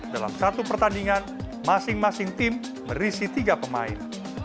dalam satu pertandingan masing masing tim merisi tiga pemain